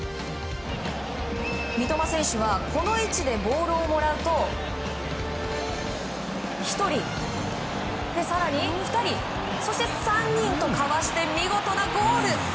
三笘選手はこの位置でボールをもらうと１人、２人３人とかわして見事なゴール。